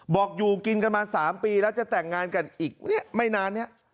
บอกอยู่กินกันมา๓ปีแล้วจะแต่งงานกันอีกไม่นานเนี่ย